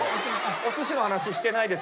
おすしの話してないです。